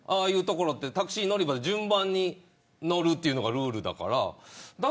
タクシー乗り場って順番に乗るというのがルールだから。